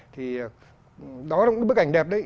thì đó là những bức ảnh đẹp đấy